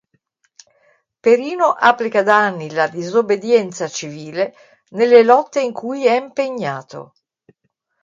Perino applica da anni la disobbedienza civile nelle lotte in cui è impegnato.